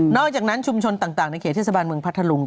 อกจากนั้นชุมชนต่างในเขตเทศบาลเมืองพัทธลุง